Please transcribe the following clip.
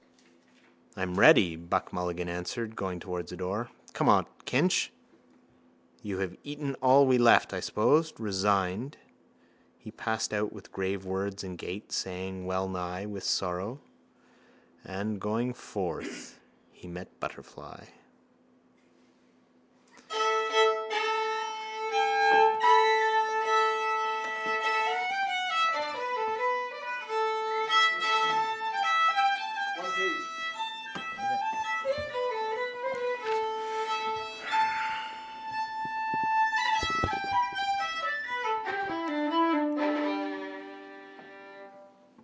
—I'm ready, Buck Mulligan answered, going towards the door. Come out, Kinch. You have eaten all we left, I suppose. Resigned he passed out with grave words and gait, saying, wellnigh with sorrow: —And going forth he met Butterly.